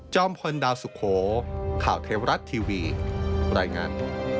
พลดาวสุโขข่าวเทวรัฐทีวีรายงาน